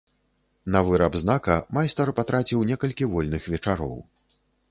На выраб знака майстар патраціў некалькі вольных вечароў.